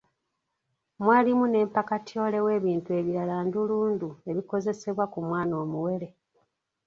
Mwalimu ne mpakatyole w'ebintu ebirala ndulundu ebikozesebwa ku mwana omuwere.